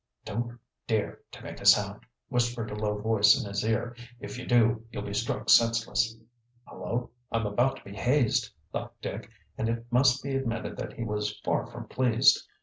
"Don't dare to make a sound!" whispered a low voice in his ear. "If you do, you'll be struck senseless." "Hullo, I'm about to be hazed," thought Dick, and it must be admitted that he was far from pleased.